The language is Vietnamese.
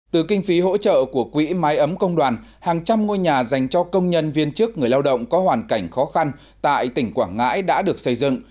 từ kinh phí hỗ trợ của quỹ máy ấm công đoàn hàng trăm ngôi nhà dành cho công nhân viên chức người lao động có hoàn cảnh khó khăn tại tỉnh quảng ngãi đã được xây dựng